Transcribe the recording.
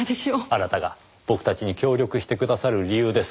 あなたが僕たちに協力してくださる理由です。